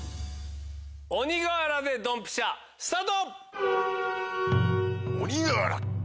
鬼瓦ｄｅドンピシャスタート！鬼瓦！